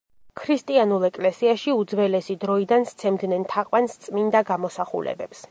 ქრისტიანულ ეკლესიაში უძველესი დროიდან სცემდნენ თაყვანს წმინდა გამოსახულებებს.